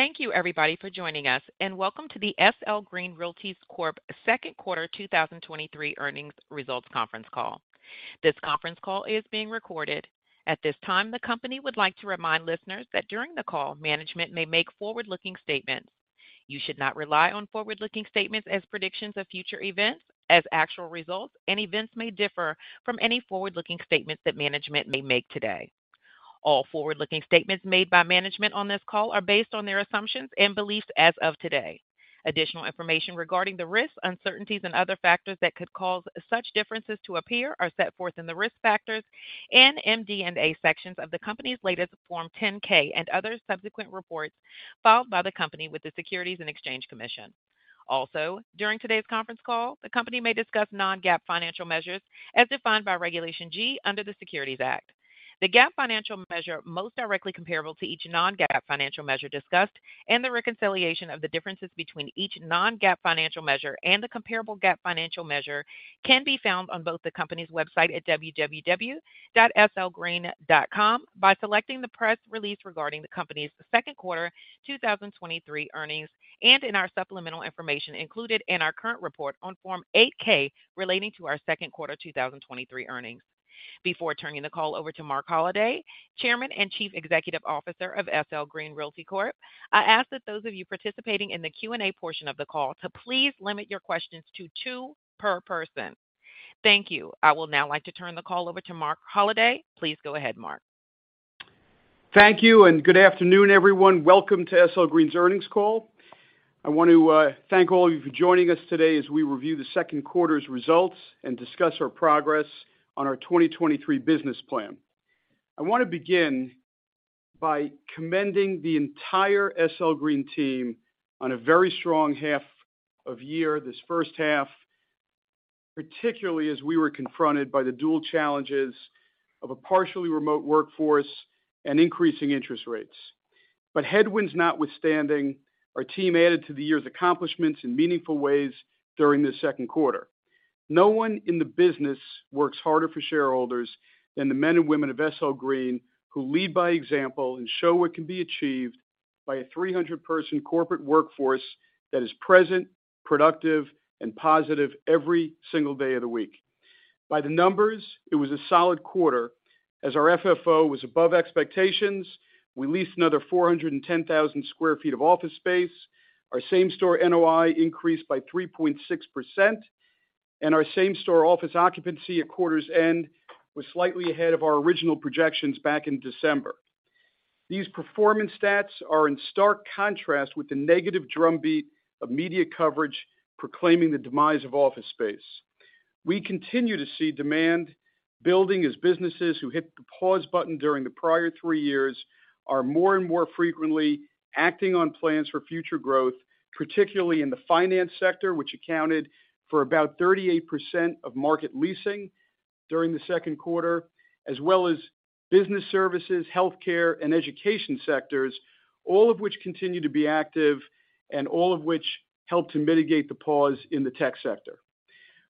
Thank you everybody for joining us, and welcome to the SL Green Realty Corp second quarter 2023 earnings results conference call. This conference call is being recorded. At this time, the company would like to remind listeners that during the call, management may make forward-looking statements. You should not rely on forward-looking statements as predictions of future events, as actual results and events may differ from any forward-looking statements that management may make today. All forward-looking statements made by management on this call are based on their assumptions and beliefs as of today. Additional information regarding the risks, uncertainties and other factors that could cause such differences to appear are set forth in the Risk Factors and MD&A sections of the company's latest Form 10-K and other subsequent reports filed by the company with the Securities and Exchange Commission. Also, during today's conference call, the company may discuss non-GAAP financial measures as defined by Regulation G under the Securities Act. The GAAP financial measure most directly comparable to each non-GAAP financial measure discussed, and the reconciliation of the differences between each non-GAAP financial measure and the comparable GAAP financial measure can be found on both the company's website at www.slgreen.com, by selecting the press release regarding the company's second quarter 2023 earnings, and in our supplemental information included in our current report on Form 8-K, relating to our second quarter 2023 earnings. Before turning the call over to Marc Holliday, Chairman and Chief Executive Officer of SL Green Realty Corp, I ask that those of you participating in the Q&A portion of the call to please limit your questions to two per person. Thank you. I will now like to turn the call over to Marc Holliday. Please go ahead, Marc. Thank you and good afternoon, everyone. Welcome to SL Green's earnings call. I want to thank all of you for joining us today as we review the second quarter's results and discuss our progress on our 2023 business plan. I want to begin by commending the entire SL Green team on a very strong half of year, this first half, particularly as we were confronted by the dual challenges of a partially remote workforce and increasing interest rates. Headwinds notwithstanding, our team added to the year's accomplishments in meaningful ways during this second quarter. No one in the business works harder for shareholders than the men and women of SL Green, who lead by example and show what can be achieved by a 300 person corporate workforce that is present, productive, and positive every single day of the week. By the numbers, it was a solid quarter, as our FFO was above expectations. We leased another 410,000 sq ft of office space. Our same store NOI increased by 3.6%, and our same store office occupancy at quarter's end was slightly ahead of our original projections back in December. These performance stats are in stark contrast with the negative drumbeat of media coverage proclaiming the demise of office space. We continue to see demand building as businesses who hit the pause button during the prior three years are more and more frequently acting on plans for future growth, particularly in the finance sector, which accounted for about 38% of market leasing during the second quarter, as well as business services, healthcare, and education sectors, all of which continue to be active and all of which help to mitigate the pause in the tech sector.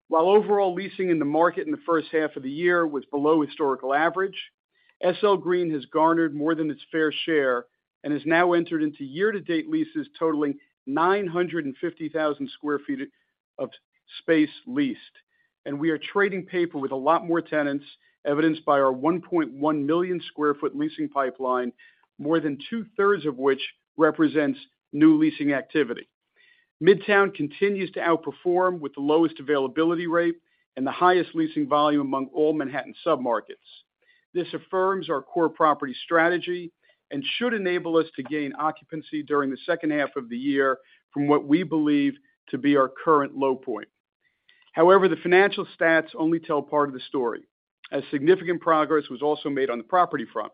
While overall leasing in the market in the first half of the year was below historical average, SL Green has garnered more than its fair share and has now entered into year-to-date leases totaling 950,000 sq ft of space leased. We are trading paper with a lot more tenants, evidenced by our 1.1 million sq ft leasing pipeline, more than 2/3 of which represents new leasing activity. Midtown continues to outperform with the lowest availability rate and the highest leasing volume among all Manhattan submarkets. This affirms our core property strategy and should enable us to gain occupancy during the second half of the year from what we believe to be our current low point. However, the financial stats only tell part of the story, as significant progress was also made on the property front.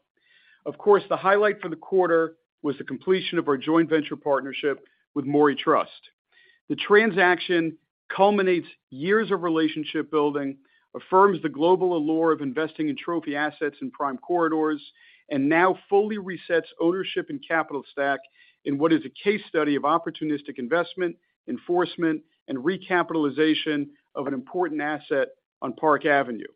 Of course, the highlight for the quarter was the completion of our joint venture partnership with Mori Trust. The transaction culminates years of relationship building, affirms the global allure of investing in trophy assets in prime corridors, and now fully resets ownership and capital stack in what is a case study of opportunistic investment, enforcement, and recapitalization of an important asset on Park Avenue.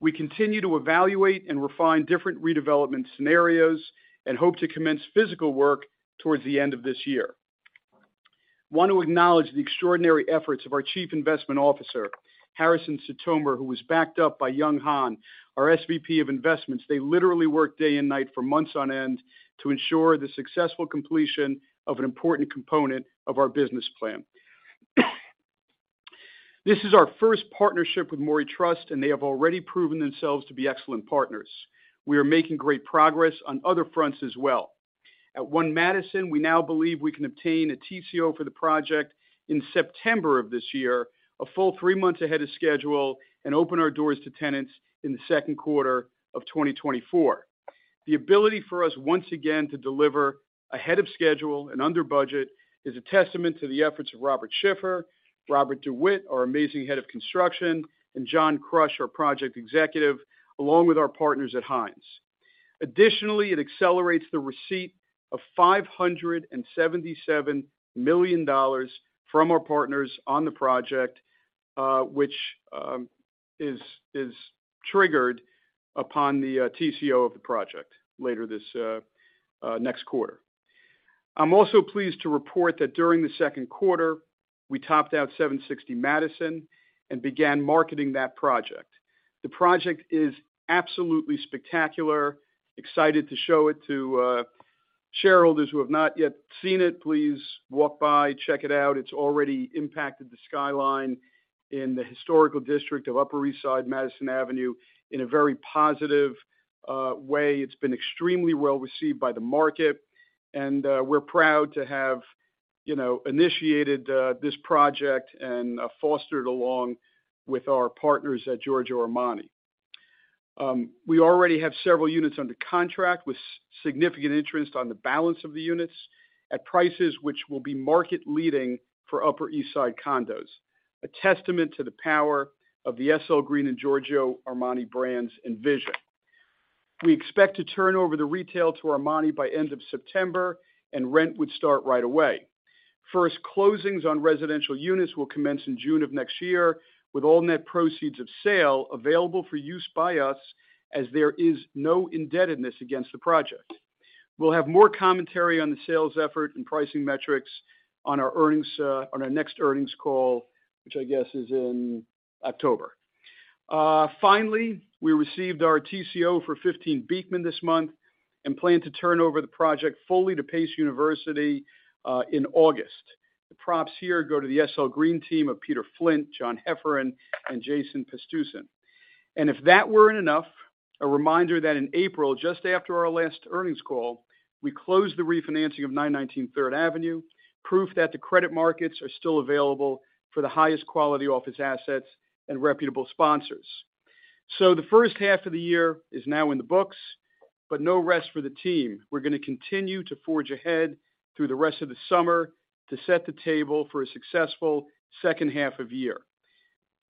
We continue to evaluate and refine different redevelopment scenarios and hope to commence physical work towards the end of this year. Want to acknowledge the extraordinary efforts of our Chief Investment Officer, Harrison Sitomer, who was backed up by Young Hahn, our SVP of Investments. They literally worked day and night for months on end to ensure the successful completion of an important component of our business plan. This is our first partnership with Mori Trust, and they have already proven themselves to be excellent partners. We are making great progress on other fronts as well. At One Madison, we now believe we can obtain a TCO for the project in September of this year, a full three months ahead of schedule, and open our doors to tenants in the second quarter of 2024. The ability for us once again to deliver ahead of schedule and under budget, is a testament to the efforts of Robert Schiffer, Robert DeWitt, our amazing Head of Construction, and John Krush, our Project Executive, along with our partners at Hines. Additionally, it accelerates the receipt of $577 million from our partners on the project, which is triggered upon the TCO of the project later this next quarter. I'm also pleased to report that during the second quarter, we topped out 760 Madison and began marketing that project. The project is absolutely spectacular. Excited to show it to shareholders who have not yet seen it. Please walk by, check it out. It's already impacted the skyline in the historical district of Upper East Side, Madison Avenue, in a very positive way. It's been extremely well received by the market. We're proud to have, you know, initiated this project and fostered along with our partners at Giorgio Armani. We already have several units under contract, with significant interest on the balance of the units at prices which will be market leading for Upper East Side condos, a testament to the power of the SL Green and Giorgio Armani brands and vision. We expect to turn over the retail to Armani by end of September. Rent would start right away. First closings on residential units will commence in June of next year, with all net proceeds of sale available for use by us, as there is no indebtedness against the project. We'll have more commentary on the sales effort and pricing metrics on our earnings on our next earnings call, which I guess is in October. Finally, we received our TCO for 15 Beekman this month and plan to turn over the project fully to Pace University in August. The props here go to the SL Green team of Peter Flynt, John Hefferon, and Jason Pastuzyn. If that weren't enough, a reminder that in April, just after our last earnings call, we closed the refinancing of 919 Third Avenue, proof that the credit markets are still available for the highest quality office assets and reputable sponsors. The first half of the year is now in the books, no rest for the team. We're going to continue to forge ahead through the rest of the summer to set the table for a successful second half of year.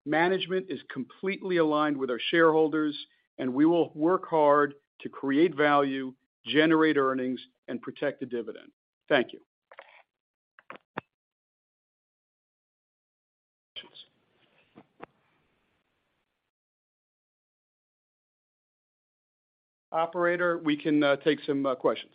Management is completely aligned with our shareholders. We will work hard to create value, generate earnings, and protect the dividend. Thank you. Operator, we can take some questions.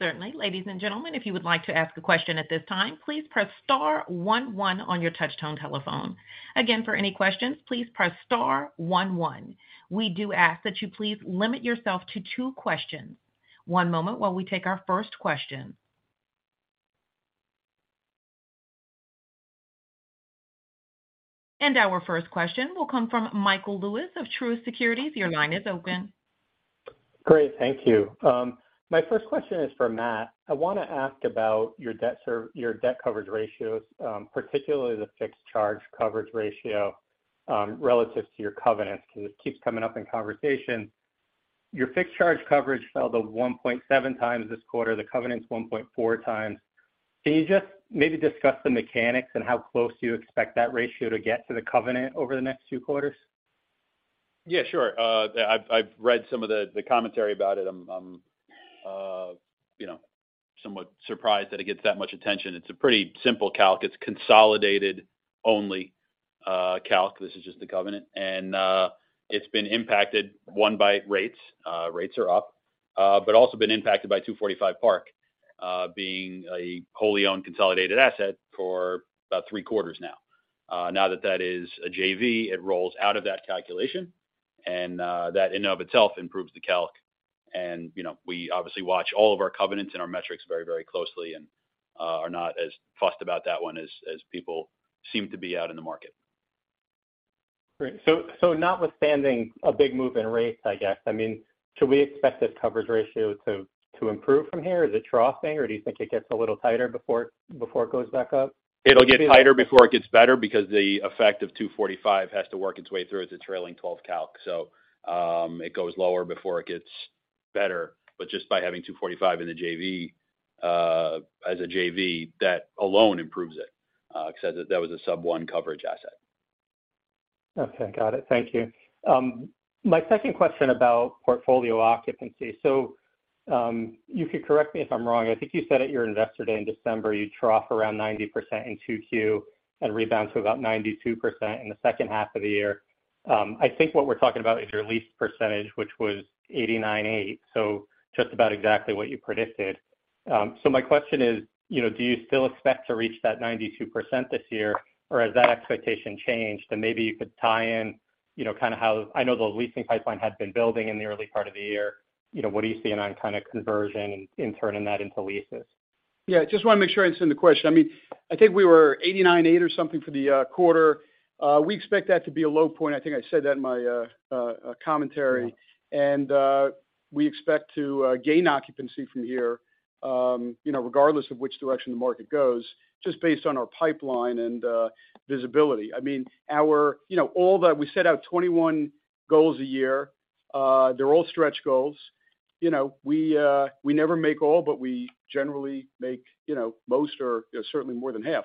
Certainly. Ladies and gentlemen, if you would like to ask a question at this time, please press star one one on your touchtone telephone. Again, for any questions, please press star one one. We do ask that you please limit yourself to two questions. One moment while we take our first question. Our first question will come from Michael Lewis of Truist Securities. Your line is open. Great, thank you. My first question is for Matt. I want to ask about your debt coverage ratios, particularly the fixed charge coverage ratio, relative to your covenants, because it keeps coming up in conversation. Your fixed charge coverage fell to 1.7x this quarter, the covenant's 1.4x. Can you just maybe discuss the mechanics and how close you expect that ratio to get to the covenant over the next two quarters? Yeah, sure. I've read some of the commentary about it. I'm, you know, somewhat surprised that it gets that much attention. It's a pretty simple calc. It's consolidated only calc. This is just the covenant, and it's been impacted, one, by rates. Rates are up, but also been impacted by 245 Park being a wholly owned consolidated asset for about three quarters now. Now that that is a JV, it rolls out of that calculation, and that in and of itself improves the calc. You know, we obviously watch all of our covenants and our metrics very, very closely and are not as fussed about that one as people seem to be out in the market. Great. Notwithstanding a big move in rates, I guess, I mean, should we expect the coverage ratio to improve from here? Is it troughing, or do you think it gets a little tighter before it goes back up? It'll get tighter before it gets better because the effect of 245 has to work its way through as a trailing twelve calc. It goes lower before it gets better. Just by having 245 in the JV, as a JV, that alone improves it because that was a sub 1 coverage asset. Okay, got it. Thank you. My second question about portfolio occupancy. You could correct me if I'm wrong. I think you said at your Investor Day in December, you'd trough around 90% in 2Q and rebound to about 92% in the second half of the year. I think what we're talking about is your lease percentage, which was 89.8, so just about exactly what you predicted. My question is, you know, do you still expect to reach that 92% this year, or has that expectation changed? Maybe you could tie in, you know, I know the leasing pipeline had been building in the early part of the year. You know, what are you seeing on kind of conversion and turning that into leases? Yeah, just want to make sure I understand the question. I mean, I think we were $0.898 or something for the quarter. We expect that to be a low point. I think I said that in my commentary. Yeah. We expect to gain occupancy from here, you know, regardless of which direction the market goes, just based on our pipeline and visibility. I mean, you know, we set out 21 goals a year. They're all stretch goals. You know, we never make all, but we generally make, you know, most or certainly more than half.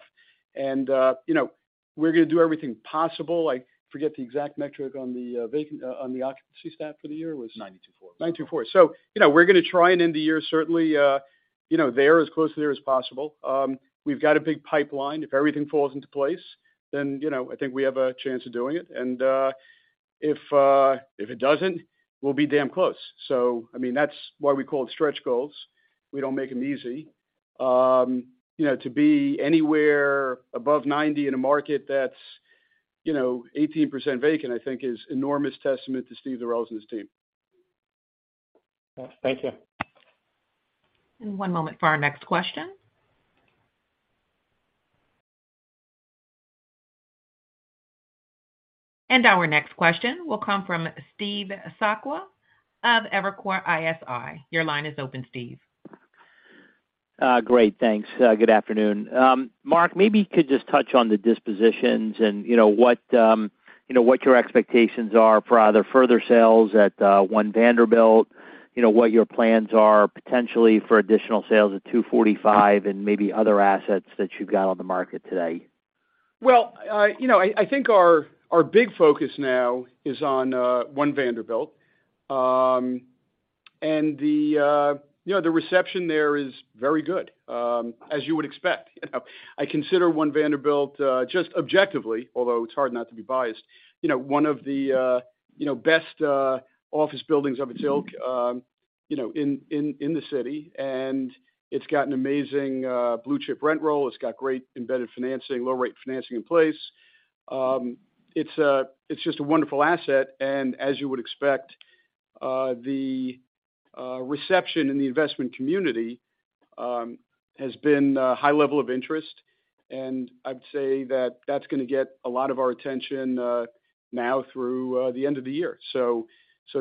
You know, we're going to do everything possible. I forget the exact metric on the occupancy stat for the year was? 92.4. 92.4. You know, we're going to try and end the year certainly, you know, there, as close to there as possible. We've got a big pipeline. If everything falls into place, then, you know, I think we have a chance of doing it, and if it doesn't, we'll be damn close. I mean, that's why we call it stretch goals. We don't make them easy. You know, to be anywhere above 90 in a market that's, you know, 18% vacant, I think is enormous testament to Steve Durels and his team. Thank you. One moment for our next question. Our next question will come from Steve Sakwa of Evercore ISI. Your line is open, Steve. Great, thanks. Good afternoon. Mark, maybe you could just touch on the dispositions and, you know, what, you know, what your expectations are for other further sales at One Vanderbilt, you know, what your plans are potentially for additional sales at 245, and maybe other assets that you've got on the market today? Well, you know, I think our big focus now is on One Vanderbilt. The, you know, the reception there is very good, as you would expect. You know, I consider One Vanderbilt, just objectively, although it's hard not to be biased, you know, one of the, you know, best office buildings of its ilk, you know, in the city, and it's got an amazing blue-chip rent roll. It's got great embedded financing, low rate financing in place. It's just a wonderful asset, and as you would expect, the reception in the investment community has been high level of interest, and I'd say that that's gonna get a lot of our attention now through the end of the year.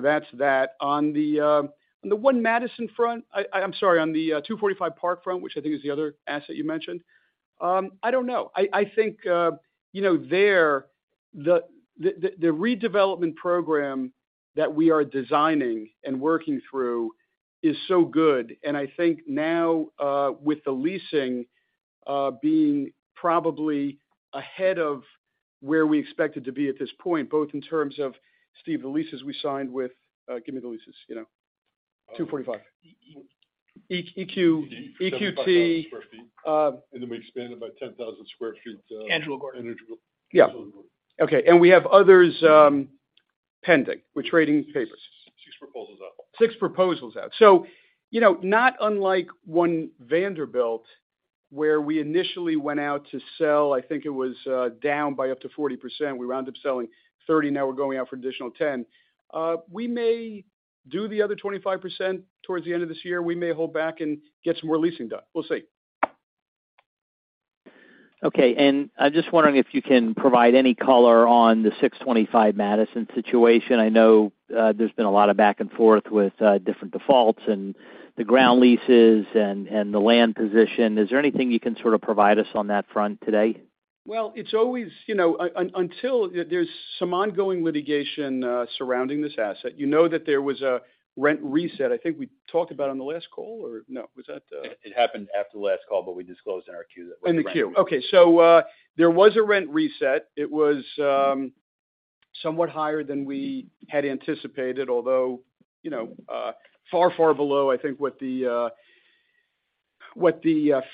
That's that. On the, on the One Madison front. I'm sorry, on the 245 Park front, which I think is the other asset you mentioned, I don't know. I think, you know, the redevelopment program that we are designing and working through is so good, and I think now, with the leasing, being probably ahead of where we expected to be at this point, both in terms of Steve, the leases we signed with, give me the leases, you know, 245. EQ. EQT. 75,000 sq ft, and then we expanded by 10,000 sq ft. Annual growth. Annual. Yeah. Okay, we have others pending. We're trading papers. Six proposals out. Six proposals out. You know, not unlike One Vanderbilt, where we initially went out to sell, I think it was down by up to 40%. We wound up selling 30%, now we're going out for an additional 10%. We may do the other 25% towards the end of this year. We may hold back and get some more leasing done. We'll see. Okay. I'm just wondering if you can provide any color on the 625 Madison situation. I know, there's been a lot of back and forth with different defaults and the ground leases and the land position. Is there anything you can sort of provide us on that front today? It's always, you know, until there's some ongoing litigation, surrounding this asset, you know that there was a rent reset. I think we talked about on the last call or no, was that? It happened after the last call, but we disclosed in our Q. In the Q. Okay. There was a rent reset. It was somewhat higher than we had anticipated, although, you know, far, far below, I think, what the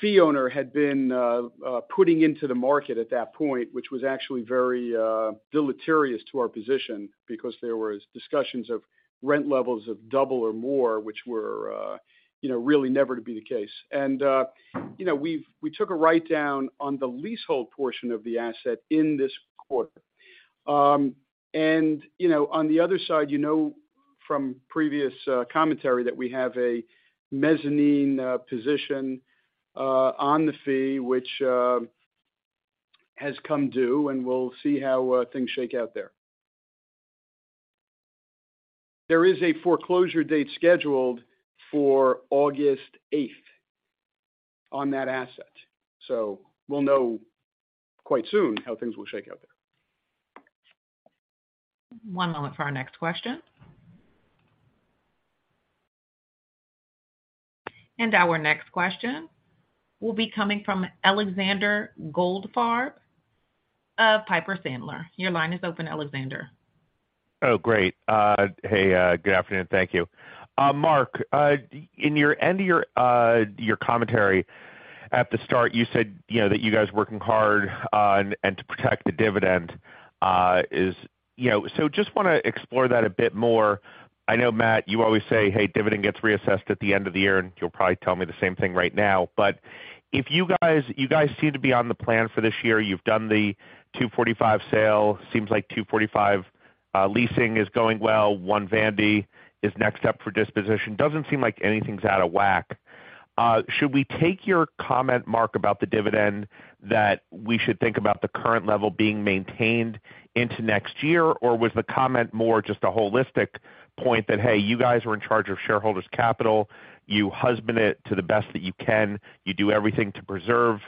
fee owner had been putting into the market at that point, which was actually very deleterious to our position because there was discussions of rent levels of double or more, which were, you know, really never to be the case. You know, we took a write-down on the leasehold portion of the asset in this quarter. You know, on the other side, you know from previous commentary that we have a mezzanine position on the fee, which has come due, and we'll see how things shake out there. There is a foreclosure date scheduled for August 8th on that asset, so we'll know quite soon how things will shake out there. One moment for our next question. Our next question will be coming from Alexander Goldfarb of Piper Sandler. Your line is open, Alexander. Great. Good afternoon. Thank you. Marc, in your end of your commentary at the start, you said, you know, that you guys are working hard on and to protect the dividend. You know, just wanna explore that a bit more. I know, Matt, you always say: Hey, dividend gets reassessed at the end of the year, and you'll probably tell me the same thing right now. You guys seem to be on the plan for this year. You've done the 245 sale. Seems like 245 leasing is going well. One Vanderbilt is next up for disposition. Doesn't seem like anything's out of whack. Should we take your comment, Marc, about the dividend, that we should think about the current level being maintained into next year? Was the comment more just a holistic point that, hey, you guys were in charge of shareholders' capital, you husband it to the best that you can, you do everything to preserve,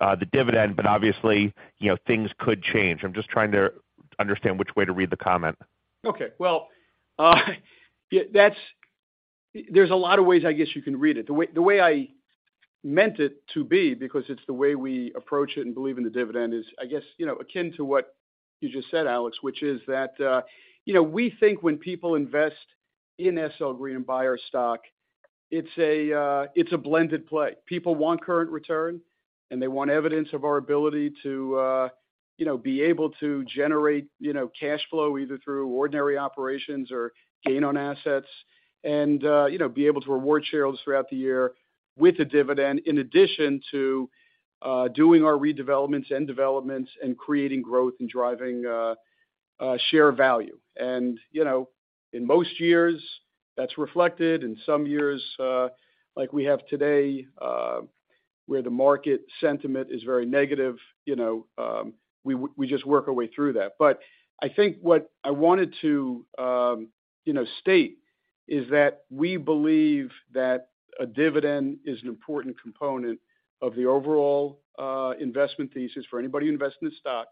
the dividend, but obviously, you know, things could change. I'm just trying to understand which way to read the comment. Okay, well, yeah, that's there's a lot of ways I guess you can read it. The way, the way I meant it to be, because it's the way we approach it and believe in the dividend is, I guess, you know, akin to what you just said, Alex, which is that, you know, we think when people invest in SL Green and buy our stock, it's a, it's a blended play. People want current return, and they want evidence of our ability to, you know, be able to generate, you know, cash flow, either through ordinary operations or gain on assets, and, you know, be able to reward shareholders throughout the year with a dividend, in addition to, doing our redevelopments and developments and creating growth and driving, share value. You know, in most years, that's reflected. In some years, like we have today, where the market sentiment is very negative, you know, we just work our way through that. I think what I wanted to, you know, state, is that we believe that a dividend is an important component of the overall investment thesis for anybody who invests in the stock.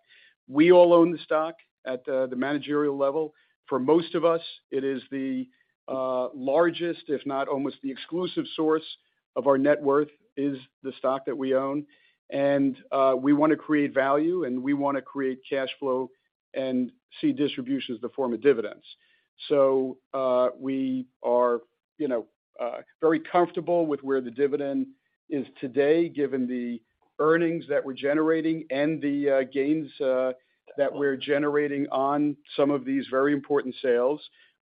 We all own the stock at the managerial level. For most of us, it is the largest, if not almost the exclusive source of our net worth, is the stock that we own. We want to create value, and we want to create cash flow and see distributions in the form of dividends. We are, you know, very comfortable with where the dividend is today, given the earnings that we're generating and the gains that we're generating on some of these very important sales.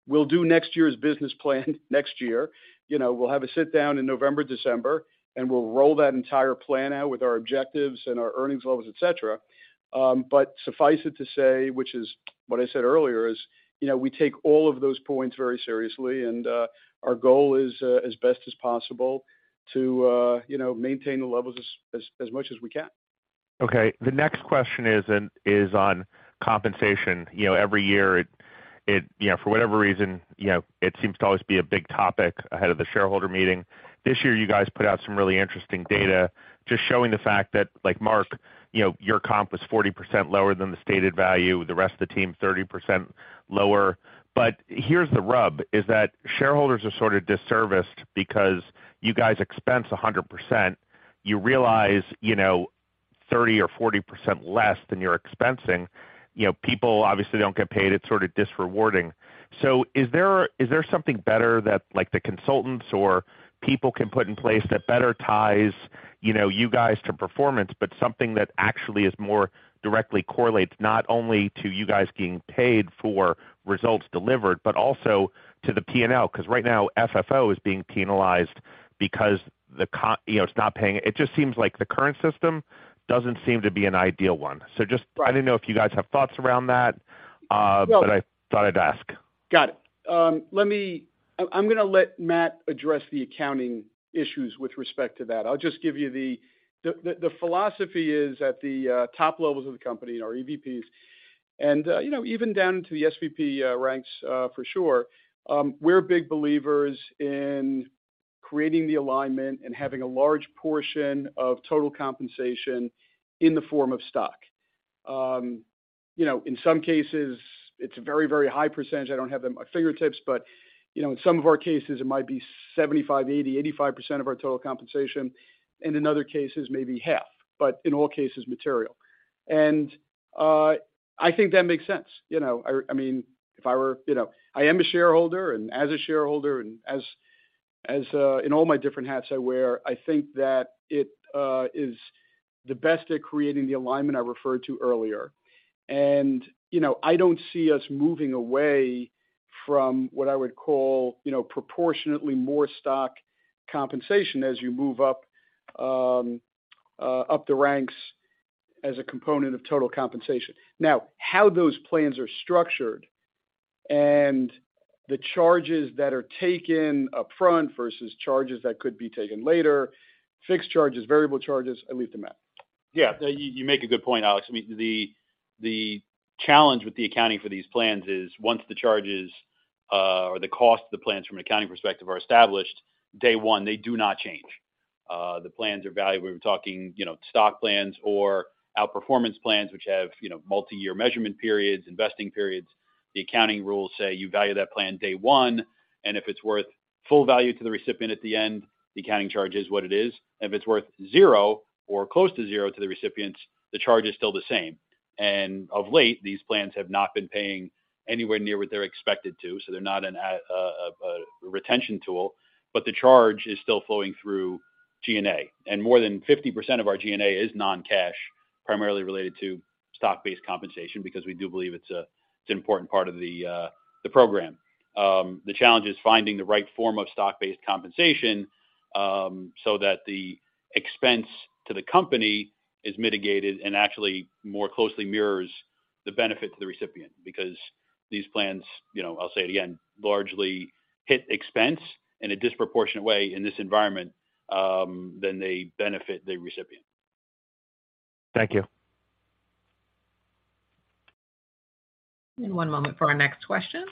We'll do next year's business plan next year. You know, we'll have a sit-down in November, December, and we'll roll that entire plan out with our objectives and our earnings levels, et cetera. Suffice it to say, which is what I said earlier, is, you know, we take all of those points very seriously, and our goal is as best as possible to, you know, maintain the levels as much as we can. Okay. The next question is on compensation. You know, every year it, you know, for whatever reason, you know, it seems to always be a big topic ahead of the shareholder meeting. This year, you guys put out some really interesting data just showing the fact that, like, Marc, you know, your comp was 40% lower than the stated value, the rest of the team, 30% lower. Here's the rub, is that shareholders are sort of disserviced because you guys expense 100%. You realize, you know, 30% or 40% less than you're expensing. You know, people obviously don't get paid. It's sort of disrewarding. Is there, is there something better that, like, the consultants or people can put in place that better ties, you know, you guys to performance, but something that actually is more directly correlates, not only to you guys being paid for results delivered, but also to the P&L? Because right now, FFO is being penalized because you know, it's not paying. It just seems like the current system doesn't seem to be an ideal one. Just, I didn't know if you guys have thoughts around that, but I thought I'd ask. Got it. I'm gonna let Matt address the accounting issues with respect to that. I'll just give you the philosophy is, at the top levels of the company, our EVPs, and, you know, even down to the SVP ranks for sure, we're big believers in creating the alignment and having a large portion of total compensation in the form of stock. You know, in some cases it's a very, very high percentage. I don't have it at my fingertips, but, you know, in some of our cases, it might be 75%, 80%, 85% of our total compensation, and in other cases, maybe half, but in all cases, material. I think that makes sense. You know, I mean, if I were, you know... I am a shareholder, as a shareholder and as, in all my different hats I wear, I think that it is the best at creating the alignment I referred to earlier. You know, I don't see us moving away from what I would call, you know, proportionately more stock compensation as you move up the ranks as a component of total compensation. How those plans are structured and the charges that are taken upfront versus charges that could be taken later, fixed charges, variable charges, I leave to Matt. Yeah, you make a good point, Alex. I mean, the challenge with the accounting for these plans is, once the charges, or the cost of the plans from an accounting perspective, are established, day one, they do not change. The plans are valued. We're talking, you know, stock plans or outperformance plans, which have, you know, multi-year measurement periods, investing periods. The accounting rules say you value that plan day one, and if it's worth full value to the recipient at the end, the accounting charge is what it is. If it's worth zero or close to zero to the recipients, the charge is still the same. Of late, these plans have not been paying anywhere near what they're expected to, so they're not a retention tool, but the charge is still flowing through G&A, and more than 50% of our G&A is non-cash, primarily related to stock-based compensation, because we do believe it's an important part of the program. The challenge is finding the right form of stock-based compensation, so that the expense to the company is mitigated and actually more closely mirrors the benefit to the recipient, because these plans, you know, I'll say it again, largely hit expense in a disproportionate way in this environment, than they benefit the recipient. Thank you. One moment for our next question.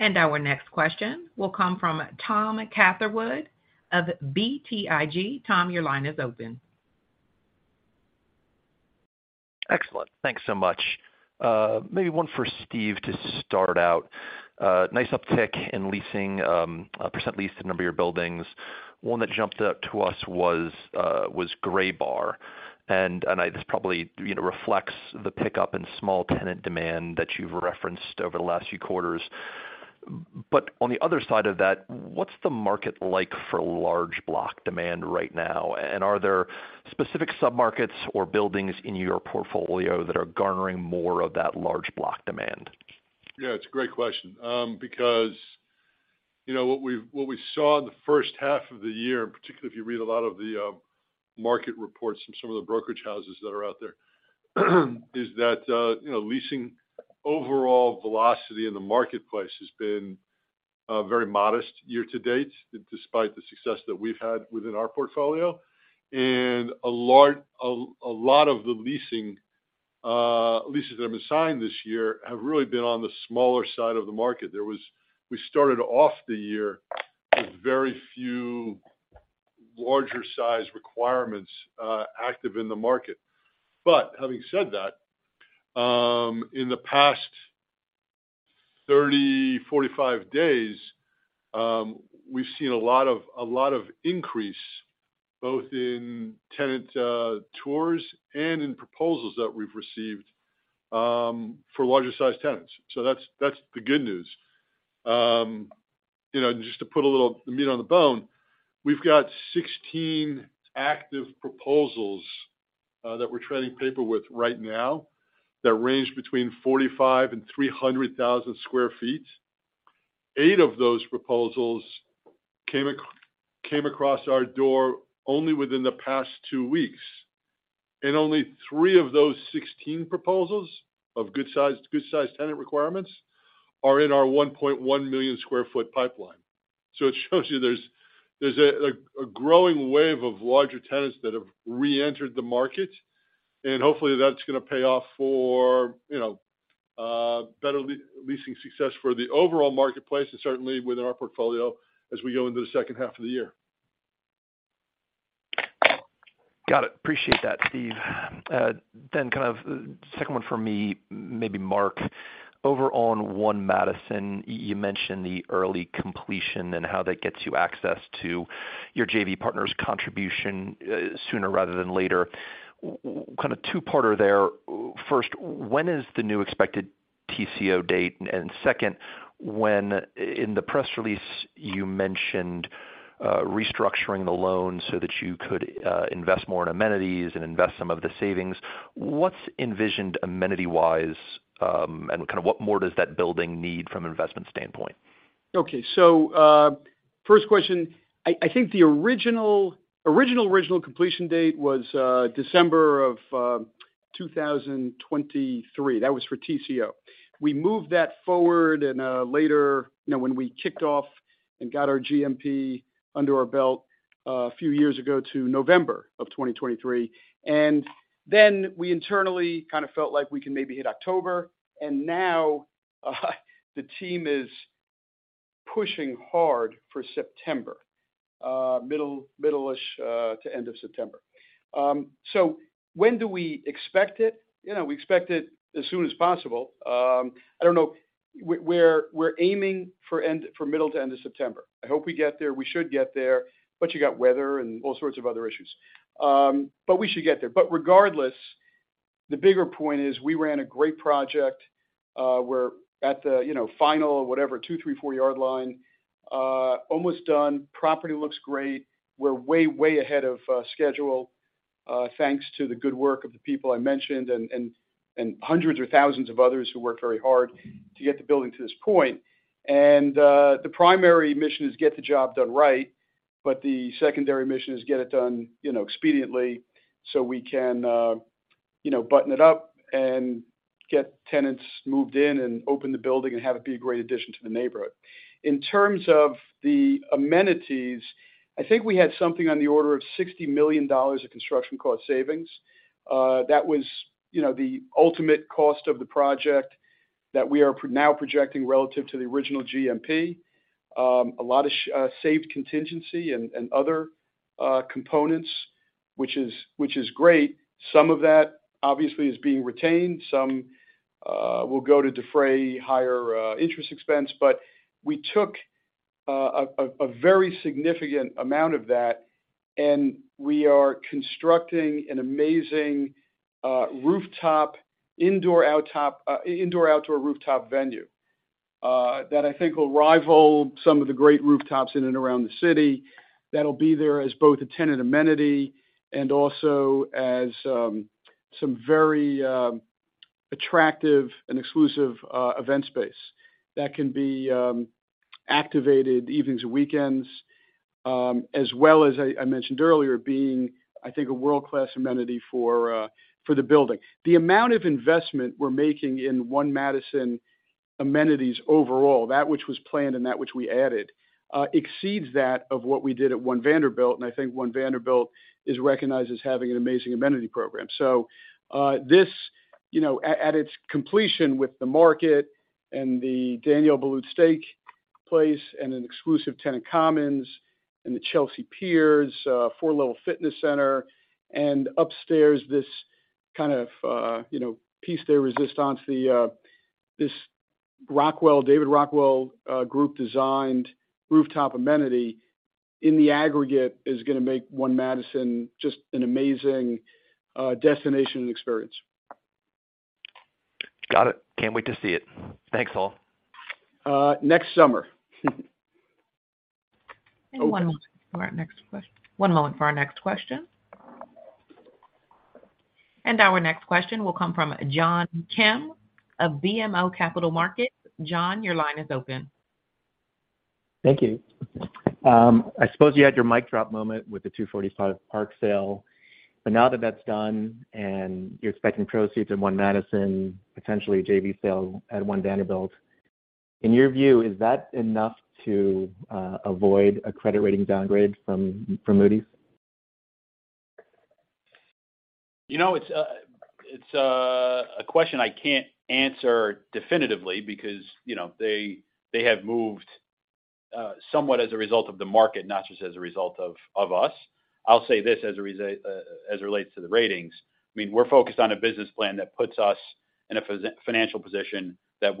Our next question will come from Tom Catherwood of BTIG. Tom, your line is open. Excellent. Thanks so much. maybe one for Steve to start out. nice uptick in leasing, a percent leased a number of your buildings. One that jumped out to us was Graybar, and I this probably, you know, reflects the pickup in small tenant demand that you've referenced over the last few quarters. On the other side of that, what's the market like for large block demand right now? Are there specific submarkets or buildings in your portfolio that are garnering more of that large block demand? Yeah, it's a great question. Because, you know, what we, what we saw in the first half of the year, in particular, if you read a lot of the market reports from some of the brokerage houses that are out there, is that, you know, leasing overall velocity in the marketplace has been very modest year to date, despite the success that we've had within our portfolio. A lot of the leasing leases that have been signed this year have really been on the smaller side of the market. We started off the year with very few larger size requirements active in the market. Having said that, in the past 30-45 days, we've seen a lot of increase, both in tenant tours and in proposals that we've received, for larger sized tenants. That's the good news. You know, just to put a little meat on the bone, we've got 16 active proposals that we're trading paper with right now, that range between 45,000 and 300,000 sq ft. Eight of those proposals came across our door only within the past two weeks. Only three of those 16 proposals, of good sized tenant requirements, are in our 1.1 million sq ft pipeline. It shows you there's a growing wave of larger tenants that have reentered the market, and hopefully that's going to pay off for, you know, better leasing success for the overall marketplace, and certainly within our portfolio as we go into the second half of the year. Got it. Appreciate that, Steve. Then kind of second one for me, maybe Marc, over on One Madison, you mentioned the early completion and how that gets you access to your JV partner's contribution, sooner rather than later. What kind of two-parter there? First, when is the new expected TCO date? Second, in the press release, you mentioned restructuring the loan so that you could invest more in amenities and invest some of the savings. What's envisioned amenity wise, and kind of what more does that building need from an investment standpoint? Okay, first question, I think the original completion date was December of 2023. That was for TCO. We moved that forward and later, you know, when we kicked off and got our GMP under our belt a few years ago to November of 2023, and then we internally kind of felt like we can maybe hit October. Now, the team is pushing hard for September, middle-ish to end of September. When do we expect it? You know, we expect it as soon as possible. I don't know we're aiming for middle to end of September. I hope we get there. We should get there, but you got weather and all sorts of other issues. We should get there. Regardless, the bigger point is, we ran a great project, we're at the, you know, final, whatever, two, three, four-yard line, almost done. Property looks great. We're way ahead of schedule, thanks to the good work of the people I mentioned and hundreds or thousands of others who worked very hard to get the building to this point. The primary mission is get the job done right, but the secondary mission is get it done, you know, expediently, so we can, you know, button it up and get tenants moved in and open the building and have it be a great addition to the neighborhood. In terms of the amenities, I think we had something on the order of $60 million of construction cost savings. That was, you know, the ultimate cost of the project that we are now projecting relative to the original GMP. A lot of saved contingency and other components, which is great. Some of that obviously is being retained. Some will go to defray higher interest expense. We took a very significant amount of that, and we are constructing an amazing rooftop, indoor-outdoor rooftop venue that I think will rival some of the great rooftops in and around the city. That'll be there as both a tenant amenity and also as some very attractive and exclusive event space that can be activated evenings and weekends, as well as I mentioned earlier, being, I think, a world-class amenity for the building. The amount of investment we're making in One Madison amenities overall, that which was planned and that which we added, exceeds that of what we did at One Vanderbilt, and I think One Vanderbilt is recognized as having an amazing amenity program. This, you know, at its completion with the market and the Daniel Boulud steak place and an exclusive tenant commons in the Chelsea Piers four-level fitness center, and upstairs, this kind of, you know, pièce de résistance, this Rockwell, David Rockwell group-designed rooftop amenity in the aggregate is going to make One Madison just an amazing destination and experience. Got it. Can't wait to see it. Thanks, all. Next summer. One moment for our next question. Our next question will come from John Kim of BMO Capital Markets. John, your line is open. Thank you. I suppose you had your mic drop moment with the 245 Park sale, now that that's done and you're expecting proceeds in One Madison, potentially a JV sale at One Vanderbilt, in your view, is that enough to avoid a credit rating downgrade from Moody's? You know, it's a question I can't answer definitively because, you know, they have moved somewhat as a result of the market, not just as a result of us. I'll say this as it relates to the ratings, I mean, we're focused on a business plan that puts us in a financial position that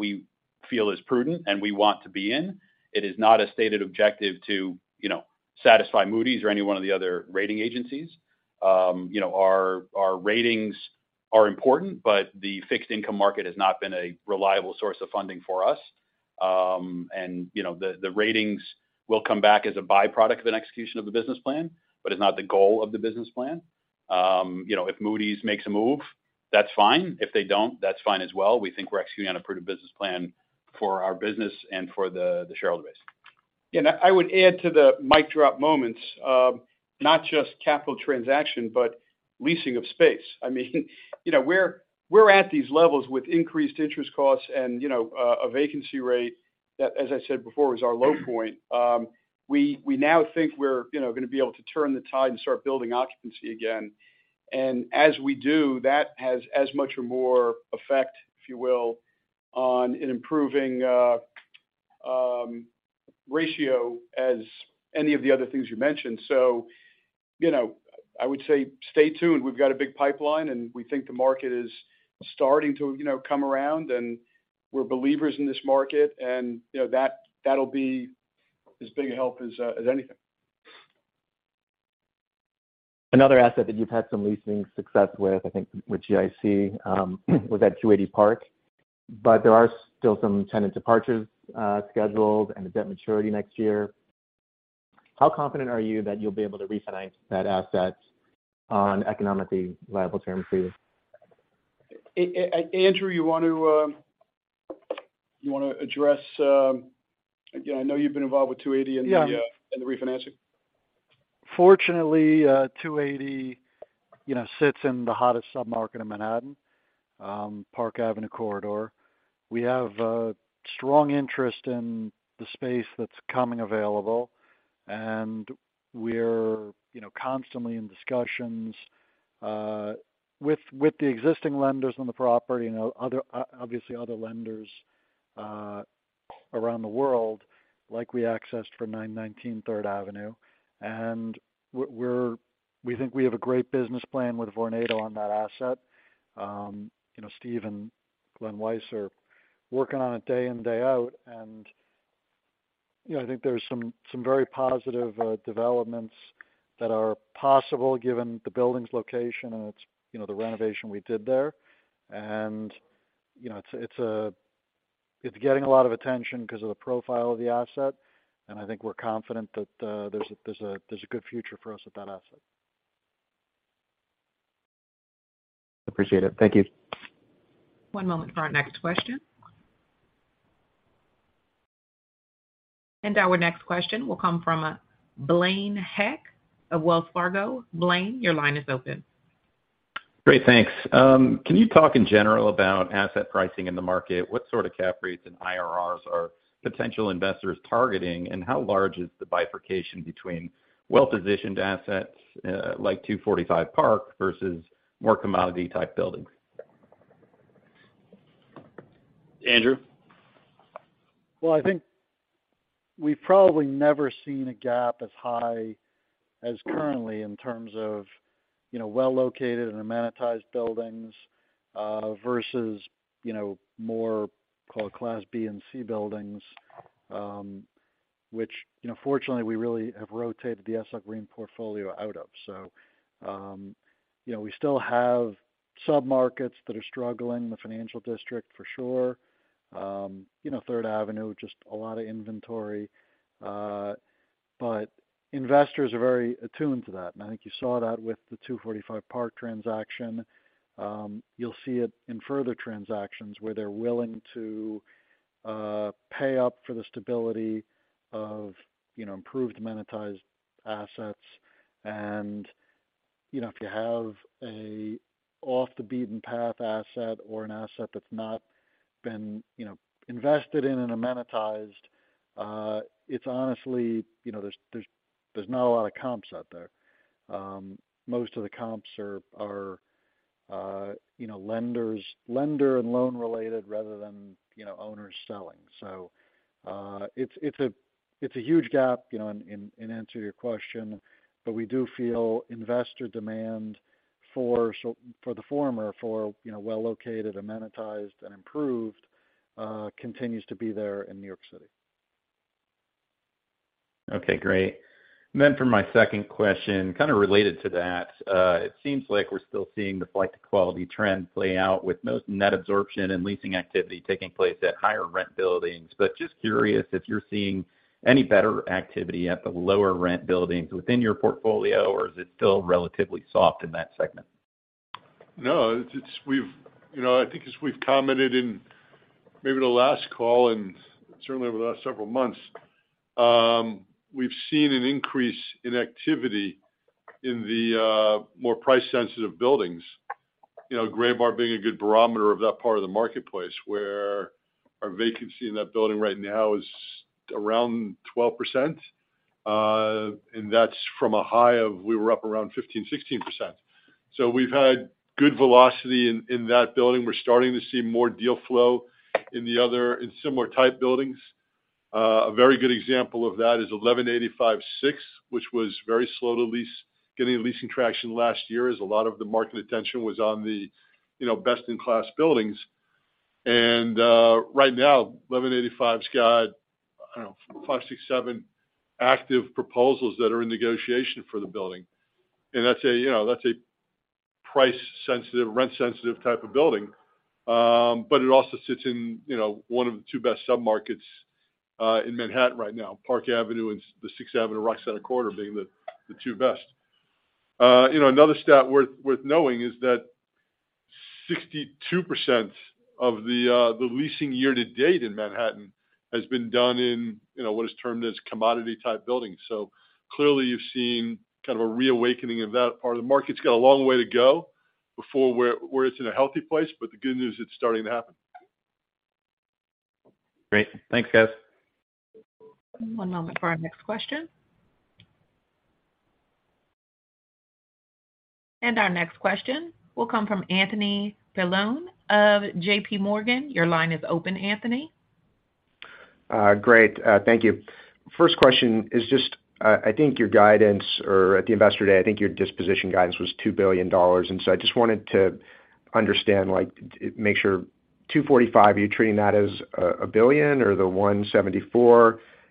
we feel is prudent and we want to be in. It is not a stated objective to, you know, satisfy Moody's or any one of the other rating agencies. You know, our ratings are important, but the fixed income market has not been a reliable source of funding for us. You know, the ratings will come back as a byproduct of an execution of the business plan, but it's not the goal of the business plan. you know, if Moody's makes a move, that's fine. If they don't, that's fine as well. We think we're executing on a prudent business plan for our business and for the shareholder base. I would add to the mic drop moments, not just capital transaction, but leasing of space. I mean, you know, we're at these levels with increased interest costs and, you know, a vacancy rate that, as I said before, was our low point. We, we now think we're, you know, gonna be able to turn the tide and start building occupancy again. As we do, that has as much or more effect, if you will, on an improving ratio as any of the other things you mentioned. You know, I would say stay tuned. We've got a big pipeline, and we think the market is starting to, you know, come around, and we're believers in this market, and, you know, that'll be as big a help as anything. Another asset that you've had some leasing success with, I think with GIC, was at 280 Park, but there are still some tenant departures, scheduled and a debt maturity next year. How confident are you that you'll be able to refinance that asset on economically viable terms for you? Andrew, you want to, you want to address, Again, I know you've been involved with 280. Yeah. The refinancing. Fortunately, 280, you know, sits in the hottest submarket in Manhattan, Park Avenue Corridor. We have a strong interest in the space that's coming available, and we're, you know, constantly in discussions with the existing lenders on the property and, obviously other lenders around the world, like we accessed for 919 Third Avenue. We think we have a great business plan with Vornado on that asset. You know, Steve and Glen Weiss are working on it day in, day out, and, you know, I think there's some very positive developments that are possible, given the building's location and its, you know, the renovation we did there. And you know, it's getting a lot of attention because of the profile of the asset, and I think we're confident that there's a good future for us with that asset. Appreciate it. Thank you. One moment for our next question. Our next question will come from Blaine Heck of Wells Fargo. Blaine, your line is open. Great, thanks. Can you talk in general about asset pricing in the market? What sort of cap rates and IRRs are potential investors targeting, and how large is the bifurcation between well-positioned assets, like 245 Park versus more commodity-type buildings? Andrew? Well, I think we've probably never seen a gap as high as currently in terms of, you know, well-located and amenitized buildings, versus, you know, more called Class B and C buildings, which, you know, fortunately, we really have rotated the SL Green portfolio out of. You know, we still have submarkets that are struggling, the Financial District, for sure. You know, Third Avenue, just a lot of inventory, but investors are very attuned to that. I think you saw that with the 245 Park transaction. You'll see it in further transactions where they're willing to, pay up for the stability of, you know, improved amenitized assets. You know, if you have a off the beaten path asset or an asset that's not been, you know, invested in and amenitized, it's honestly, you know, there's not a lot of comps out there. Most of the comps are, you know, lenders, lender and loan related rather than, you know, owners selling. It's a huge gap, you know, in answer to your question, but we do feel investor demand for the former, for, you know, well-located, amenitized, and improved continues to be there in New York City. Okay, great. For my second question, kind of related to that, it seems like we're still seeing the flight to quality trend play out with most net absorption and leasing activity taking place at higher rent buildings. Just curious if you're seeing any better activity at the lower rent buildings within your portfolio, or is it still relatively soft in that segment? No, it's, you know, I think as we've commented in maybe the last call, and certainly over the last several months, we've seen an increase in activity in the more price-sensitive buildings. You know, Graybar being a good barometer of that part of the marketplace, where our vacancy in that building right now is around 12%, and that's from a high of, we were up around 15%, 16%. We've had good velocity in that building. We're starting to see more deal flow in similar type buildings. A very good example of that is 1185 Sixth, which was very slow to lease, getting leasing traction last year, as a lot of the market attention was on the, you know, best-in-class buildings. Right now, 1185's got, I don't know, five, six, seven active proposals that are in negotiation for the building. That's a, you know, that's a price-sensitive, rent-sensitive type of building. It also sits in, you know, one of the two best submarkets in Manhattan right now, Park Avenue and the Sixth Avenue, Rock Center Quarter being the two best. You know, another stat worth knowing is that 62% of the leasing year-to-date in Manhattan has been done in, you know, what is termed as commodity-type buildings. Clearly, you've seen kind of a reawakening of that part. The market's got a long way to go before it's in a healthy place, but the good news, it's starting to happen. Great. Thanks, guys. One moment for our next question. Our next question will come from Anthony Paolone of JPMorgan. Your line is open, Anthony. Great, thank you. First question is just, I think your guidance, or at the investor day, I think your disposition guidance was $2 billion. I just wanted to understand, like, make sure, 245, are you treating that as a, $1 billion or the $174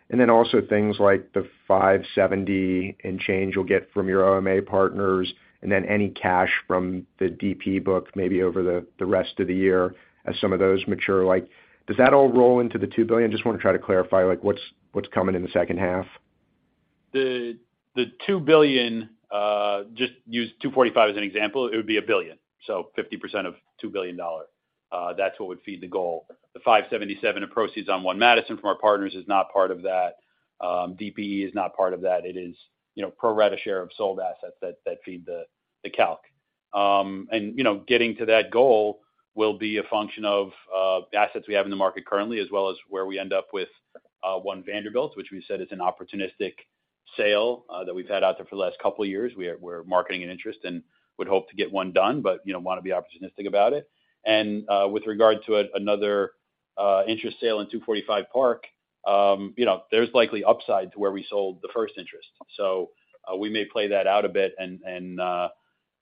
million? Also things like the $570 million and change you'll get from your OMA partners, and then any cash from the DP book, maybe over the rest of the year as some of those mature. Like, does that all roll into the $2 billion? Just want to try to clarify, like, what's coming in the second half. The $2 billion, just use 245 as an example, it would be $1 billion. 50% of $2 billion. That's what would feed the goal. The $577 of proceeds on One Madison from our partners is not part of that. DPE is not part of that. It is, you know, pro rata share of sold assets that feed the calc. You know, getting to that goal will be a function of the assets we have in the market currently, as well as where we end up with One Vanderbilt, which we said is an opportunistic sale that we've had out there for the last couple of years. We're marketing an interest and would hope to get one done, but, you know, want to be opportunistic about it. With regard to another interest sale in 245 Park, you know, there's likely upside to where we sold the first interest. We may play that out a bit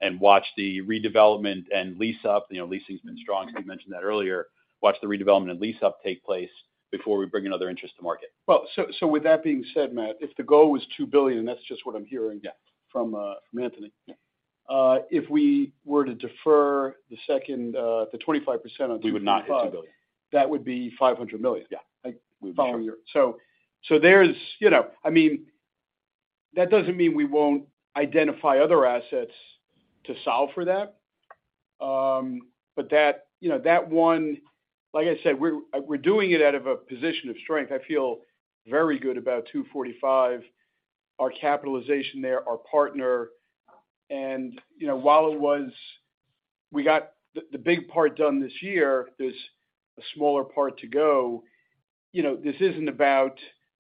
and watch the redevelopment and lease up. You know, leasing's been strong, we mentioned that earlier. Watch the redevelopment and lease up take place before we bring another interest to market. Well, with that being said, Matt, if the goal was $2 billion, and that's just what I'm hearing. Yeah from Anthony. Yeah. If we were to defer the second, the 25% on 245. We would not hit $2 billion. That would be $500 million? Yeah. Like, following year. there's, you know, I mean, that doesn't mean we won't identify other assets to solve for that. That, you know, that one, like I said, we're doing it out of a position of strength. I feel very good about 245, our capitalization there, our partner. You know, while we got the big part done this year, there's a smaller part to go, you know, this isn't about,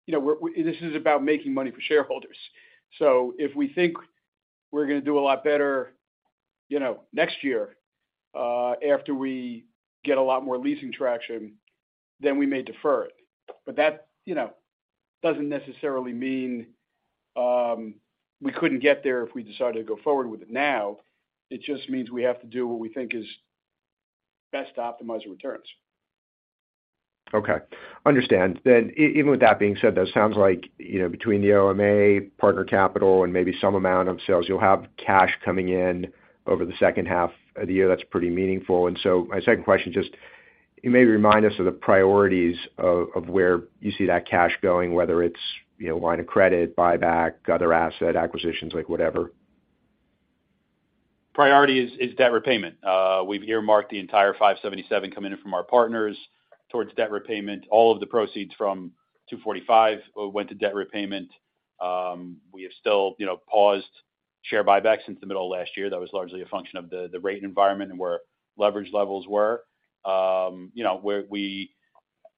you know, this is about making money for shareholders. If we think we're gonna do a lot better, you know, next year, after we get a lot more leasing traction, then we may defer it. That, you know, doesn't necessarily mean, we couldn't get there if we decided to go forward with it now. It just means we have to do what we think is best to optimize the returns. Okay. Understand. Even with that being said, that sounds like, you know, between the OMA, partner capital, and maybe some amount of sales, you'll have cash coming in over the second half of the year. That's pretty meaningful. My second question, just, you may remind us of the priorities of where you see that cash going, whether it's, you know, line of credit, buyback, other asset acquisitions, like whatever. Priority is debt repayment. We've earmarked the entire $577 coming in from our partners towards debt repayment. All of the proceeds from 245 went to debt repayment. We have still, you know, paused share buybacks since the middle of last year. That was largely a function of the rate environment and where leverage levels were. You know, where we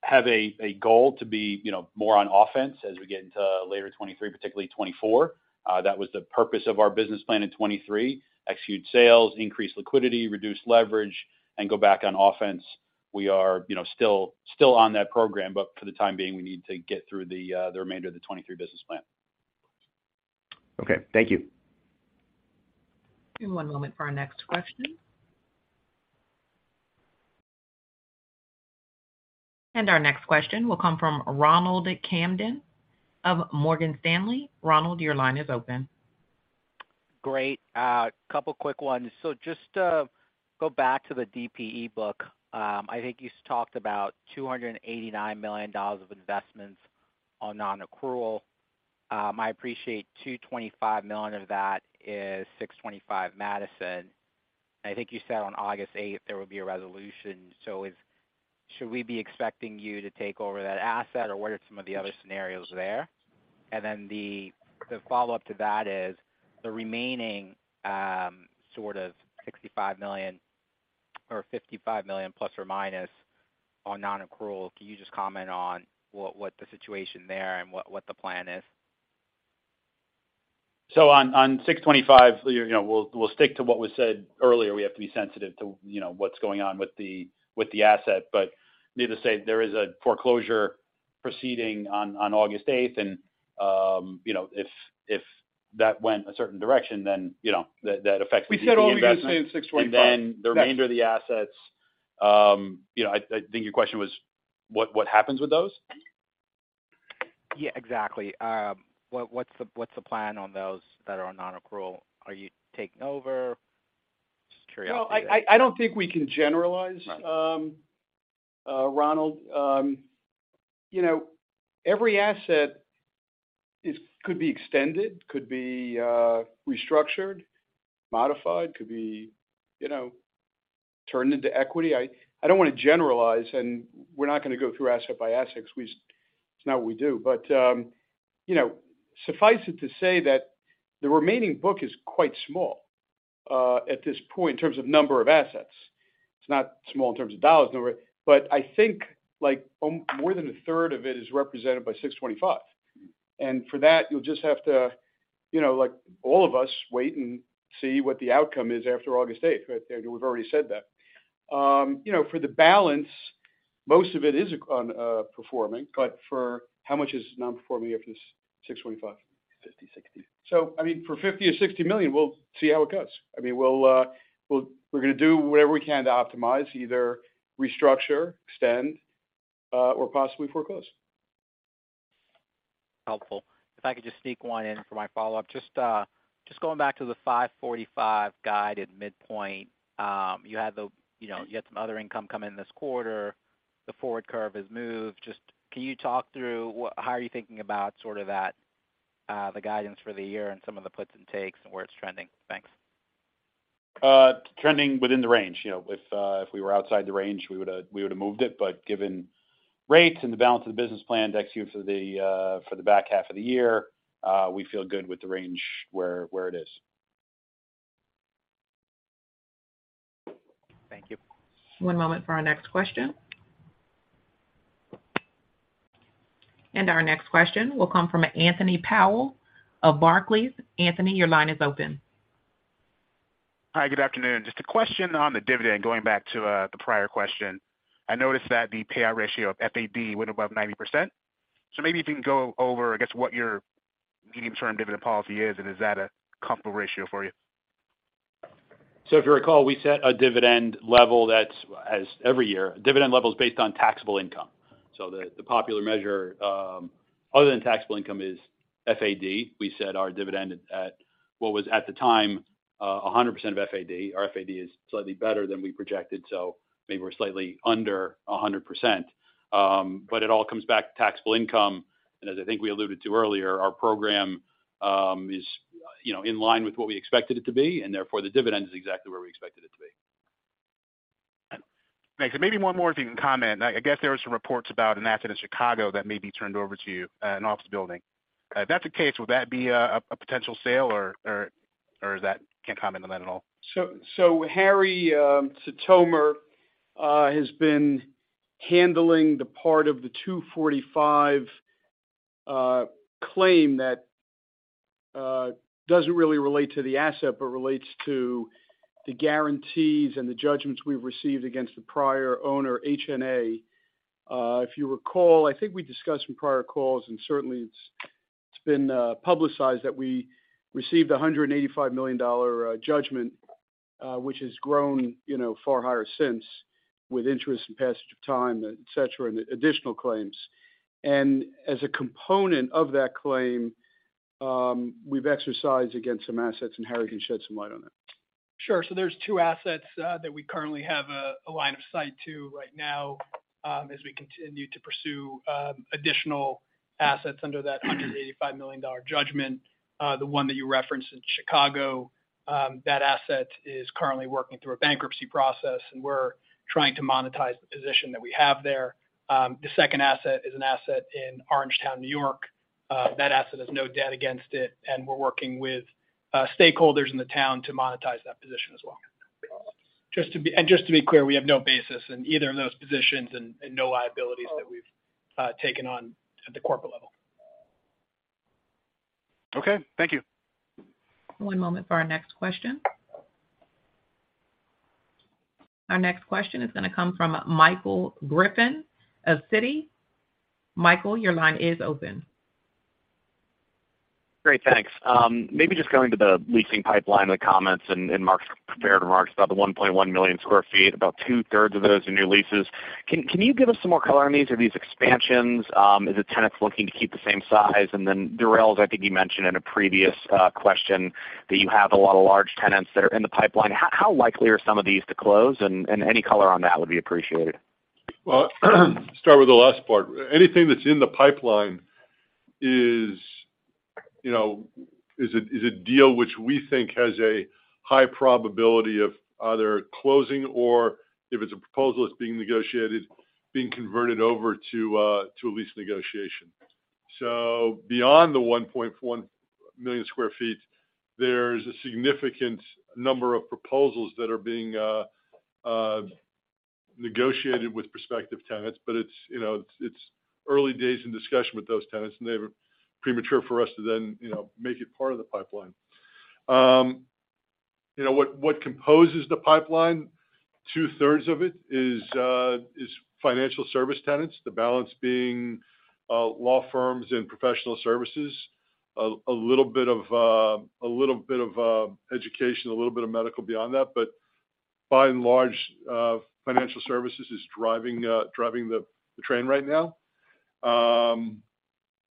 have a goal to be, you know, more on offense as we get into later 2023, particularly 2024. That was the purpose of our business plan in 2023. Execute sales, increase liquidity, reduce leverage, and go back on offense. We are, you know, still on that program, for the time being, we need to get through the remainder of the 2023 business plan. Okay, thank you. Give one moment for our next question. Our next question will come from Ronald Kamdem of Morgan Stanley. Ronald, your line is open. Great, couple quick ones. Just to go back to the DPE book, I think you talked about $289 million of investments on nonaccrual. I appreciate $225 million of that is 625 Madison. I think you said on August 8th, there will be a resolution. Should we be expecting you to take over that asset, or what are some of the other scenarios there? The, the follow-up to that is the remaining, sort of $65 million or $55 million, plus or minus, on nonaccrual. Can you just comment on what the situation there and what the plan is? On 625, you know, we'll stick to what was said earlier. We have to be sensitive to, you know, what's going on with the asset. Needless to say, there is a foreclosure proceeding on August 8th, and, you know, if that went a certain direction, then, you know, that affects the investment. We said all we can say is $6.25. The remainder of the assets, you know, I think your question was what happens with those? Yeah, exactly. What's the plan on those that are on nonaccrual? Are you taking over? Just curious. Well, I don't think we can generalize. Right. Ronald. You know, every asset could be extended, could be restructured, modified, could be, you know, turned into equity. I don't want to generalize, and we're not going to go through asset by asset, because it's not what we do. You know, suffice it to say that the remaining book is quite small at this point, in terms of number of assets. It's not small in terms of dollars number, but I think like, more than 1/3 of it is represented by 625. For that, you'll just have to, you know, like all of us, wait and see what the outcome is after August 8th. Right? We've already said that. You know, for the balance, most of it is, on, performing, but for how much is nonperforming after this 625? 50, 60. I mean, for $50 million or $60 million, we'll see how it goes. I mean, we're going to do whatever we can to optimize, either restructure, extend, or possibly foreclose. Helpful. If I could just sneak one in for my follow-up. Just, going back to the 545 guided midpoint, you had the, you know, you had some other income come in this quarter. The forward curve has moved. Just, can you talk through how are you thinking about sort of that, the guidance for the year and some of the puts and takes and where it's trending? Thanks. Trending within the range. You know, if we were outside the range, we would have moved it. Given rates and the balance of the business plan to execute for the back half of the year, we feel good with the range where it is. Thank you. One moment for our next question. Our next question will come from Anthony Powell of Barclays. Anthony, your line is open. Hi, good afternoon. Just a question on the dividend, going back to the prior question. I noticed that the payout ratio of FAD went above 90%. Maybe if you can go over, I guess, what your medium-term dividend policy is, and is that a comfortable ratio for you? If you recall, we set a dividend level that's as every year, dividend level is based on taxable income. The popular measure, other than taxable income is FAD. We set our dividend at what was, at the time, 100% of FAD. Our FAD is slightly better than we projected, so maybe we're slightly under 100%. It all comes back to taxable income, and as I think we alluded to earlier, our program, you know, is in line with what we expected it to be, and therefore, the dividend is exactly where we expected it to be. Thanks. Maybe one more, if you can comment. I guess there were some reports about an asset in Chicago that may be turned over to you, an office building. If that's the case, would that be a potential sale or can't comment on that at all? Harry Sitomer has been handling the part of the 245 claim that doesn't really relate to the asset, but relates to the guarantees and the judgments we've received against the prior owner, HNA. If you recall, I think we discussed in prior calls, and certainly it's been publicized, that we received a $185 million judgment, which has grown, you know, far higher since, with interest and passage of time, et cetera, and additional claims. As a component of that claim, we've exercised against some assets, and Harry can shed some light on it. Sure. There's two assets that we currently have a line of sight to right now, as we continue to pursue additional assets under that $185 million judgment. The one that you referenced in Chicago, that asset is currently working through a bankruptcy process, and we're trying to monetize the position that we have there. The second asset is an asset in Orangetown, New York. That asset has no debt against it, and we're working with stakeholders in the town to monetize that position as well. Just to be clear, we have no basis in either of those positions and no liabilities that we've taken on at the corporate level. Okay, thank you. One moment for our next question. Our next question is going to come from Michael Griffin of Citi. Michael, your line is open. Great, thanks. Maybe just going to the leasing pipeline, the comments in Marc's prepared remarks about the 1.1 million sq ft, about 2/3 of those in new leases. Can you give us some more color on these? Are these expansions? Is it tenants looking to keep the same size? Then Durels, I think you mentioned in a previous question that you have a lot of large tenants that are in the pipeline. How likely are some of these to close? Any color on that would be appreciated. Well, start with the last part. Anything that's in the pipeline is, you know, a deal which we think has a high probability of either closing or if it's a proposal that's being negotiated, being converted over to a lease negotiation. Beyond the 1.1 million sq ft, there's a significant number of proposals that are being negotiated with prospective tenants, but it's, you know, early days in discussion with those tenants, they were premature for us to then, you know, make it part of the pipeline. You know, what composes the pipeline? 2/3 of it is financial service tenants, the balance being law firms and professional services. A little bit of education, a little bit of medical beyond that, but by and large, financial services is driving the train right now.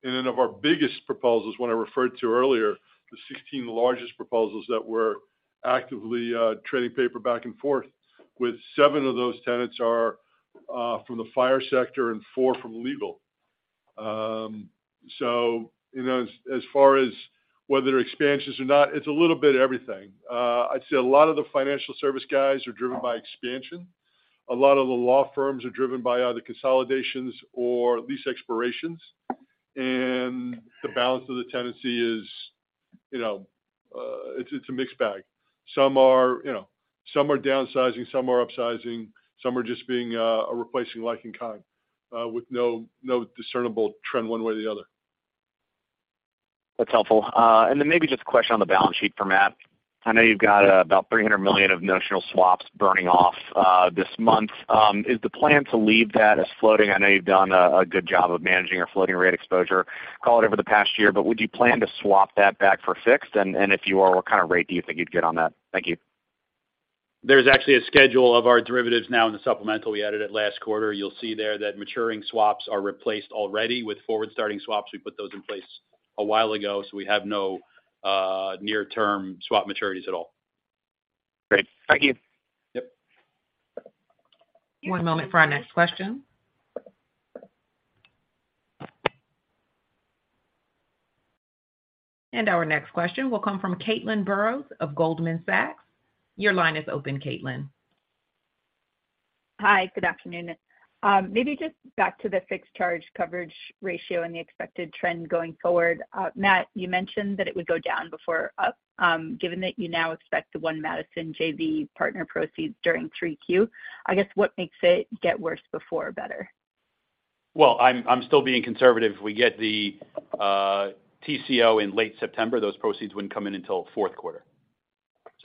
Of our biggest proposals, what I referred to earlier, the 16 largest proposals that we're actively trading paper back and forth with seven of those tenants are from the FIRE sector and four from legal. You know, as far as whether expansions or not, it's a little bit of everything. I'd say a lot of the financial service guys are driven by expansion. A lot of the law firms are driven by either consolidations or lease expirations, and the balance of the tenancy is, you know, it's a mixed bag. Some are, you know, some are downsizing, some are upsizing, some are just being, replacing like in-kind, with no discernible trend one way or the other. That's helpful. Then maybe just a question on the balance sheet for Matt. I know you've got about $300 million of notional swaps burning off this month. Is the plan to leave that as floating? I know you've done a good job of managing your floating rate exposure, call it over the past year, but would you plan to swap that back for fixed? If you are, what kind of rate do you think you'd get on that? Thank you. There's actually a schedule of our derivatives now in the supplemental we added at last quarter. You'll see there that maturing swaps are replaced already with forward-starting swaps. We put those in place a while ago, we have no near-term swap maturities at all. Great. Thank you. Yep. One moment for our next question. Our next question will come from Caitlin Burrows of Goldman Sachs. Your line is open, Caitlin. Hi, good afternoon. Maybe just back to the fixed charge coverage ratio and the expected trend going forward. Matt, you mentioned that it would go down before, given that you now expect the One Madison JV partner proceeds during 3Q, I guess what makes it get worse before better? Well, I'm still being conservative. If we get the TCO in late September, those proceeds wouldn't come in until fourth quarter.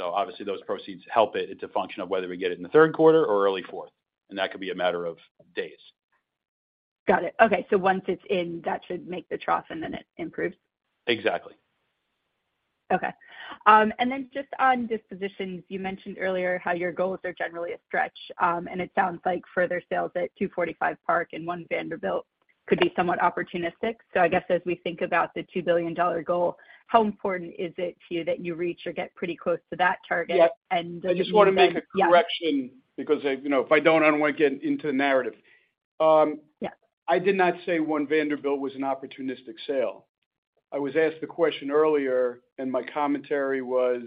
Obviously those proceeds help it. It's a function of whether we get it in the third quarter or early fourth, that could be a matter of days. Got it. Okay. Once it's in, that should make the trough, and then it improves? Exactly. Okay. Just on dispositions, you mentioned earlier how your goals are generally a stretch, and it sounds like further sales at 245 Park and One Vanderbilt could be somewhat opportunistic. I guess as we think about the $2 billion goal, how important is it to you that you reach or get pretty close to that target? Yep. And- I just want to make a correction because, you know, if I don't, I don't want to get into the narrative. Yeah. I did not say One Vanderbilt was an opportunistic sale. I was asked the question earlier, and my commentary was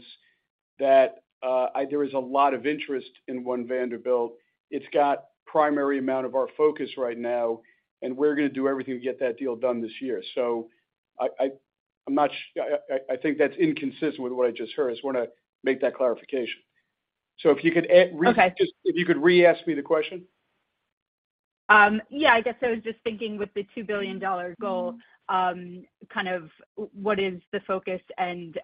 that there was a lot of interest in One Vanderbilt. It's got primary amount of our focus right now, and we're going to do everything to get that deal done this year. I'm not. I think that's inconsistent with what I just heard. I just want to make that clarification. If you could add- Okay. If you could re-ask me the question. Yeah, I guess I was just thinking with the $2 billion goal, kind of what is the focus?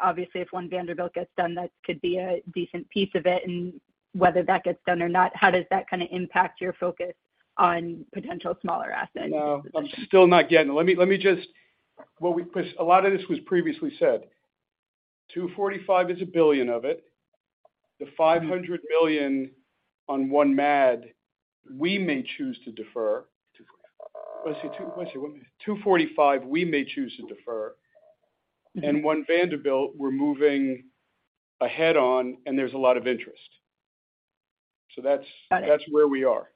Obviously, if One Vanderbilt gets done, that could be a decent piece of it, and whether that gets done or not, how does that kind of impact your focus on potential smaller assets? No, I'm still not getting it. Let me just because a lot of this was previously said. 245 is $1 billion of it. The $500 million on One Mad, we may choose to defer. 245. Let me see, 245, we may choose to defer. One Vanderbilt, we're moving ahead on, and there's a lot of interest. Got it. That's where we are.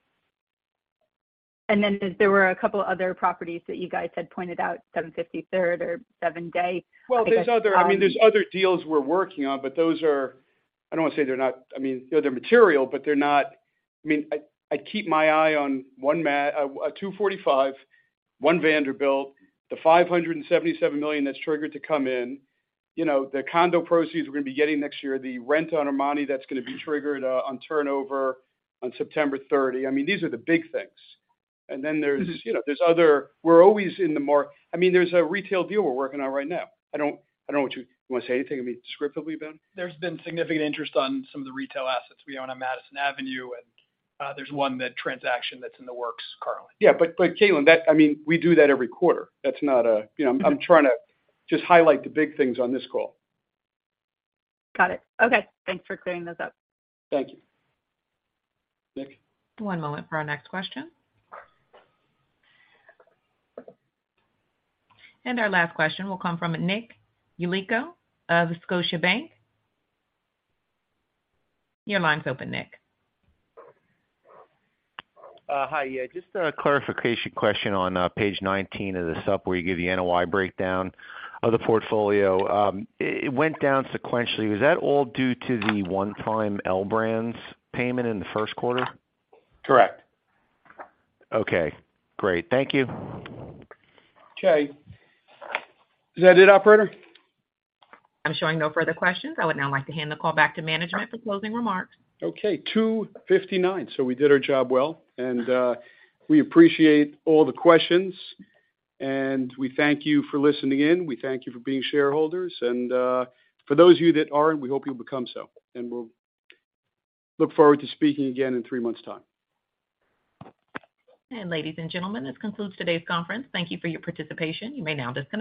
Then there were a couple other properties that you guys had pointed out, 753 Third or 7 Dey. Well, there's other, I mean, there's other deals we're working on, but those are. I don't want to say they're not, I mean, they're material, but they're not. I mean, I keep my eye on One Mad, 245, One Vanderbilt, the $577 million that's triggered to come in, you know, the condo proceeds we're going to be getting next year, the rent on Armani, that's going to be triggered on turnover on September 30. I mean, these are the big things. There's, you know, we're always in the mark. I mean, there's a retail deal we're working on right now. I don't know what you want to say anything, I mean, descriptively, Ben? There's been significant interest on some of the retail assets we own on Madison Avenue, and, there's one, that transaction that's in the works currently. Yeah, but Caitlin, that, I mean, we do that every quarter. That's not a, you know, I'm trying to just highlight the big things on this call. Got it. Okay, thanks for clearing those up. Thank you. Nick? One moment for our next question. Our last question will come from Nick Yulico of Scotiabank. Your line's open, Nick. Hi. Just a clarification question on page 19 of the sup, where you give the NOI breakdown of the portfolio. It went down sequentially. Was that all due to the one-time L Brands payment in the first quarter? Correct. Okay, great. Thank you. Okay. Is that it, operator? I'm showing no further questions. I would now like to hand the call back to management for closing remarks. Okay, 2:59. We did our job well. We appreciate all the questions. We thank you for listening in. We thank you for being shareholders. For those of you that aren't, we hope you'll become so. We'll look forward to speaking again in three months' time. Ladies and gentlemen, this concludes today's conference. Thank you for your participation. You may now disconnect.